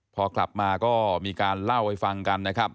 พอกลับมาก็มีการเล่าให้ฟังกันนะครับ